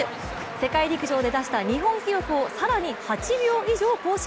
世界陸上で出した日本記録を更に８秒以上更新。